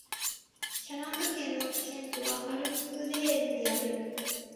シャラント県の県都はアングレームである